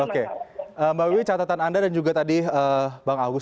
oke mbak wiwi catatan anda dan juga tadi bang agus